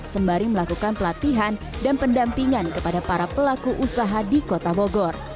sembari melakukan pelatihan dan pendampingan kepada para pelaku usaha di kota bogor